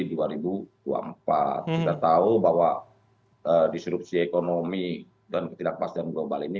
kita tahu bahwa disrupsi ekonomi dan ketidakpastian global ini